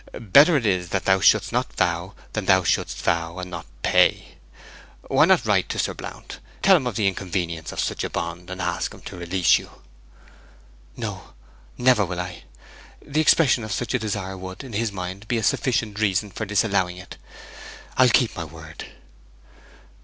Better is it that thou shouldest not vow than that thou shouldest vow and not pay." Why not write to Sir Blount, tell him the inconvenience of such a bond, and ask him to release you?' 'No; never will I. The expression of such a desire would, in his mind, be a sufficient reason for disallowing it. I'll keep my word.'